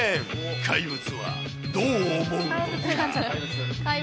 怪物はどう思うのか。